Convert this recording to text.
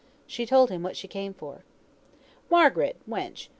She told him what she came for. "Margaret, wench!